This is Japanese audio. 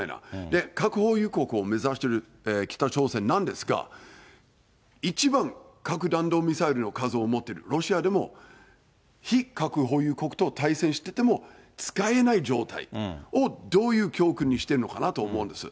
で、核保有国を目指している北朝鮮なんですが、一番核弾頭ミサイルを持っている、数を持っているロシアでも、ひかくほゆうこくとたい戦してても使えない状態を、どういう教訓にしているのかなと思うんです。